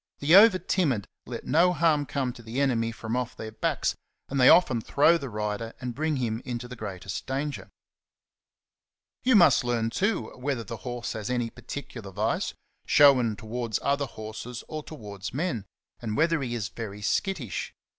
The over timid let no harm come to the enemy from off their backs, and they often throw the rider and bring him into the greatest danger. You must learn, too, whether the horse has any particular vice, shown towards other horses or towards men, and whether he is very skittish.